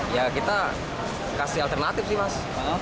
ya kita kasih alternatif sih mas